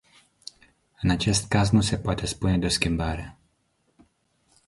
În acest caz, nu se poate spune de o schimbare.